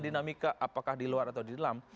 dinamika apakah di luar atau di dalam